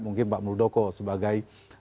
mungkin pak muldoko sebagai